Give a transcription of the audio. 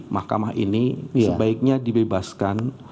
mahkamah ini sebaiknya dibebaskan